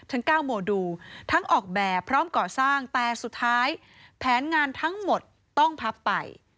ทั้ง๙โมดูทั้งออกแบบพร้อมก่อสร้างแต่สุดท้ายแผนงานทั้งหมดต้องพับไป